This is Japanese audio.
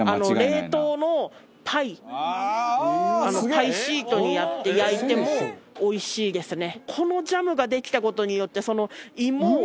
パイシートにやって焼いてもおいしいですね。